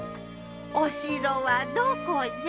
お城はどこじゃ？